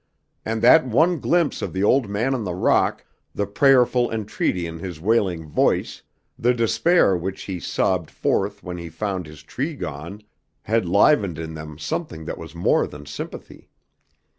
And that one glimpse of the old man on the rock, the prayerful entreaty in his wailing voice, the despair which he sobbed forth when he found his tree gone, had livened in them something that was more than sympathy.